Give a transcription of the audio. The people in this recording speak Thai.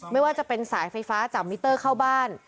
ไม่ว่าจะเป็นสายไฟฟ้าจากมิเตอร์เข้าบ้าน